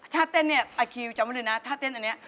ท่าเต้นนี่อะคิวจำไว้เลยน่ะท่าเต้นนี้